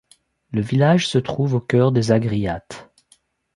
Le village se trouve au cœur des Agriates.